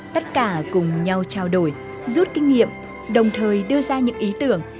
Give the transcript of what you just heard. tất cả cùng nhau trao đổi rút kinh nghiệm đồng thời đưa ra những ý tưởng